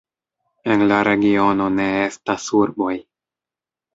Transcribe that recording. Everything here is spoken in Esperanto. En la regiono ne estas urboj.